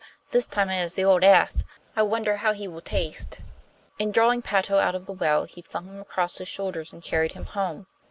This time it is the old ass! I wonder how he will taste?' And drawing Patto out of the well, he flung him across his shoulders and carried him home.